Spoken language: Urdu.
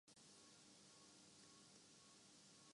ان کی فلم ’وجود‘ کے ساتھ